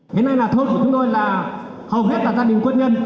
ngày nay là thuộc của chúng tôi là hầu hết tàn gia đình quân nhân